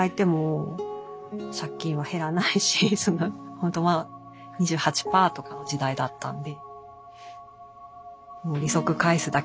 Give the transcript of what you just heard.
本当まあ２８％とかの時代だったんで。